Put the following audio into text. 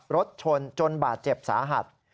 รถชนจนบาดเจ็บสาหัส